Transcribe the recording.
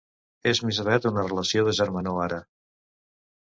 És més aviat una relació de germanor ara.